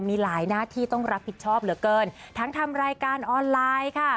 มีหลายหน้าที่ต้องรับผิดชอบเหลือเกินทั้งทำรายการออนไลน์ค่ะ